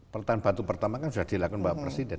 pertahanan batu pertama kan sudah dilakukan mbak presiden